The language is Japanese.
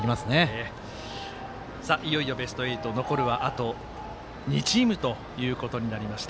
いよいよベスト８残るはあと２チームということになりました。